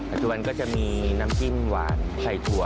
จุบันก็จะมีน้ำจิ้มหวานไข่ถั่ว